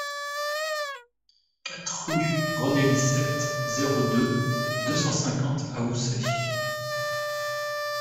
quatre rue René Licette, zéro deux, deux cent cinquante à Housset